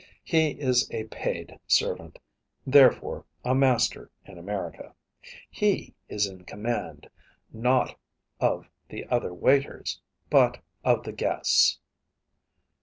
He is a paid servant, therefore a master in America. He is in command, not of the other waiters, but of the guests.